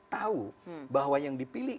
tahu bahwa yang dipilih